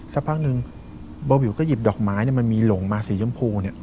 สักพักนึงเบาวิวก็หยิบดอกไม้มันมีหลงมาสีชมพูเนี่ย